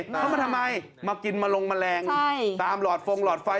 เข้ามาทำไมมากินมาลงแมลงตามหลอดฟงหลอดไฟ